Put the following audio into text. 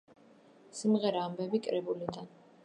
სიმღერა „ამბები“ კრებულიდან.